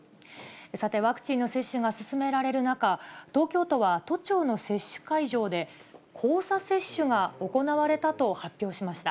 さて、ワクチンの接種が進められる中、東京都は都庁の接種会場で、交差接種が行われたと発表しました。